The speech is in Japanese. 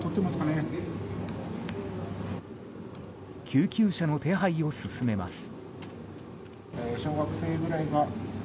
救急車の手配を進めます。